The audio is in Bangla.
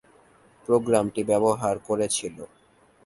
প্রোগ্রামটি ব্যবহার করেছিল।